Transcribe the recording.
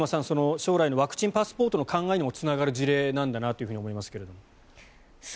将来のワクチンパスポートの考えにもつながる事例なんだなと思いますが。